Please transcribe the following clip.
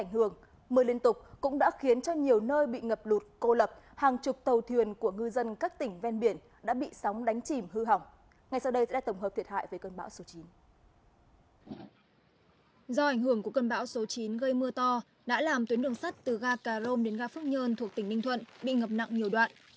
tuyến đường sắt số chín gây mưa to đã làm tuyến đường sắt từ ga cà rôm đến ga phước nhơn thuộc tỉnh ninh thuận bị ngập nặng nhiều đoạn